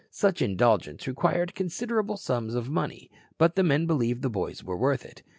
Such indulgence required considerable sums of money, but the men believed the boys were worth it.